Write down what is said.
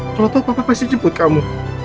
kalo tau papa pasti jemput kamu